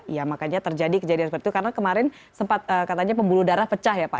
ya makanya terjadi kejadian seperti itu karena kemarin sempat katanya pembuluh darah pecah ya pak